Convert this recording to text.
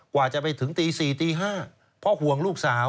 กว่าจะไปถึงตี๔ตี๕เพราะห่วงลูกสาว